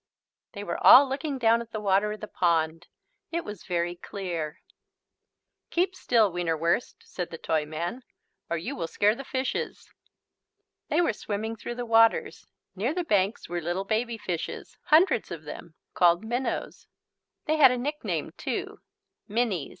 They were all looking down at the water of the pond. It was very clear. "Keep still, Wienerwurst," said the Toyman, "or you will scare the fishes." They were swimming through the waters. Near the banks were little baby fishes, hundreds of them, called minnows. They had a nickname too, "minnies."